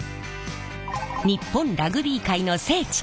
日本ラグビー界の聖地